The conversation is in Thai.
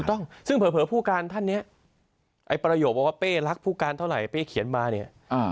ถูกต้องซึ่งเผลอผู้การท่านเนี่ยไอ้ประโยคบอกว่าเป้รักผู้การเท่าไหร่เป้เขียนมาเนี่ย